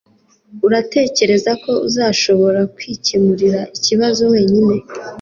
uratekereza ko uzashobora kwikemurira ikibazo wenyine